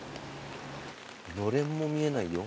のれんも見えないよ。